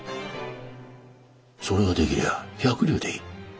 それができりゃあ百両でいい。